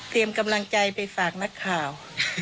อ๋อเตรียมกำลังใจไปฝากนักข่าว